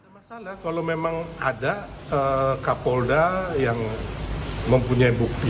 masalah kalau memang ada kapolda yang mempunyai bukti